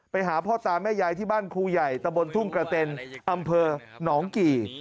ไปหาพ่อตาแม่ยายที่บ้านครูใหญ่ตะบนทุ่งกระเต็นอำเภอหนองกี่